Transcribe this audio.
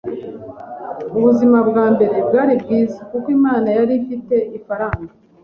Ubuzima bwa mbere bwari bwiza kuko mama yari afite ifaranga.